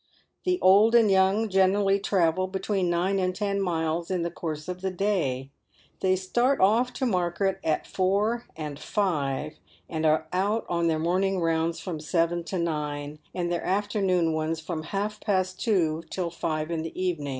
The old and young generally travel between nine and ten miles in the course of the day. They start off to market at four and five, and are out on their morn ing rounds from seven to nine, and their afternoon ones from half past two till five in the evening.